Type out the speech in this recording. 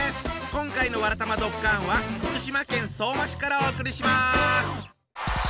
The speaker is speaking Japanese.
今回の「わらたまドッカン」は福島県相馬市からお送りします。